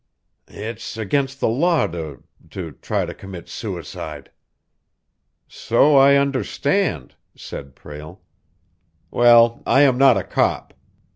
"It's against the law to to try to commit suicide." "So I understand," said Prale. "Well, I am not a cop.